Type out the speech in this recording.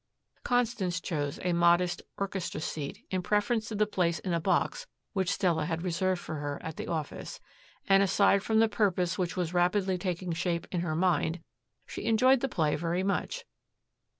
Constance chose a modest orchestra seat in preference to the place in a box which Stella had reserved for her at the office, and, aside from the purpose which was rapidly taking shape in her mind, she enjoyed the play very much.